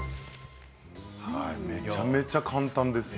めちゃめちゃ簡単ですよ。